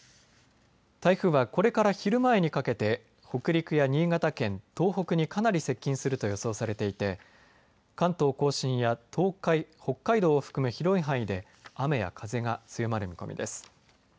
台風はこれから昼前にかけて北陸や新潟県、東北にかなり接近すると予想されていて関東甲信や東海北海道を含む広い範囲で雨や風が強まる見込みです。